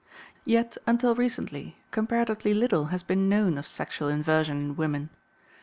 Yet, until recently, comparatively little has been known of sexual inversion in women.